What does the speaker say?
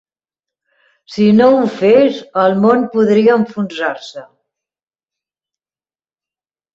Si no ho fes, el món podria enfonsar-se.